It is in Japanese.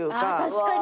確かに。